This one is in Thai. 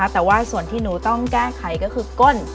แต่ว่าส่วนที่หนูต้องแก้ไขก็คือก้น